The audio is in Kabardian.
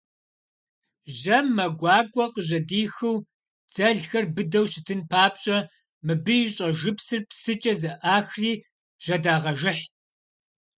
Жьэм мэ гуакӏуэ къыжьэдихыу, дзэлхэр быдэу щытын папщӏэ, мыбы и щӏэжыпсыр псыкӏэ зэӏахри жьэдагъэжыхь.